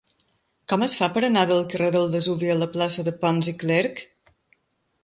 Com es fa per anar del carrer del Vesuvi a la plaça de Pons i Clerch?